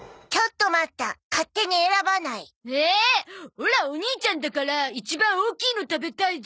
オラお兄ちゃんだから一番大きいの食べたいゾ。